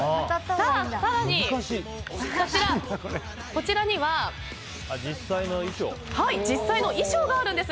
更に、こちらには実際の衣装があるんです。